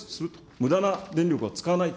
むだな電力を使わない。